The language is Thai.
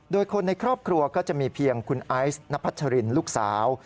โดยคนในครอบครัวก็จะมีเพียงคุณไอซ์นพัชรินลูกสาว